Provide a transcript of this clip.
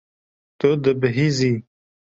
Tu dibihîzî.